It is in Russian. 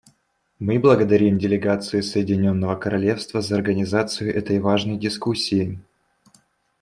Мы благодарим делегацию Соединенного Королевства за организацию этой важной дискуссии.